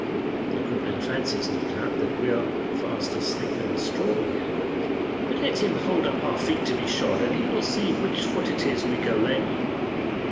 The good man fancies, no doubt, that we are fast asleep in the straw here, but let him hold up our feet to be shod and he will see which foot it is we go lame on.